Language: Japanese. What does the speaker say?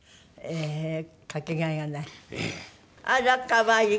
あら可愛い！